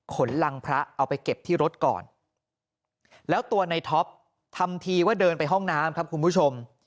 หลังพระเอาไปเก็บที่รถก่อนแล้วตัวในท็อปทำทีว่าเดินไปห้องน้ำครับคุณผู้ชม